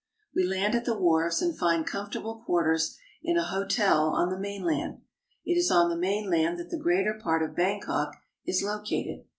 We land at the wharves and find comfortable quarters in a hotel on the mainland. It is on the mainland that the greater part of Bangkok is located.